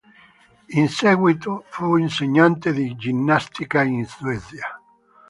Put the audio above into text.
In seguito fu insegnante di ginnastica in Svezia.